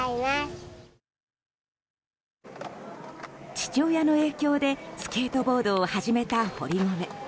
父親の影響でスケートボードを始めた堀米。